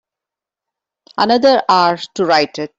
Another hour to write it.